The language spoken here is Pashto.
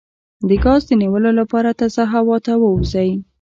د ګاز د نیولو لپاره تازه هوا ته ووځئ